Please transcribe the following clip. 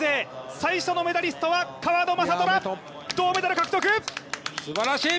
最初のメリダリストは川野将虎、銅メダル獲得！